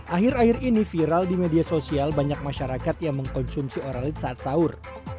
akhir akhir ini viral di media sosial banyak masyarakat yang mengkonsumsi oralit saat sahur